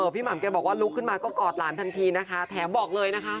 หม่ำแกบอกว่าลุกขึ้นมาก็กอดหลานทันทีนะคะแถมบอกเลยนะคะ